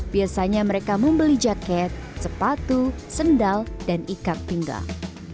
biasanya mereka membeli jaket sepatu sendal dan ikat pinggang